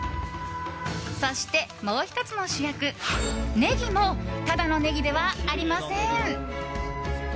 そして、もう１つの主役ネギもただのネギではありません。